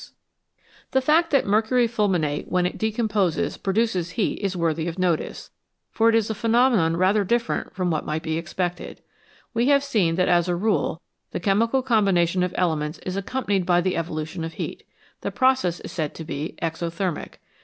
167 EXPLOSIONS AND EXPLOSIVES The fact that mercury fulminate when it decomposes produces heat is worthy of notice, for it is a phenomenon rather different from what might be expected. We have seen that as a rule the chemical combination of elements is accompanied by the evolution of heat ; the process is said to be " exothermic."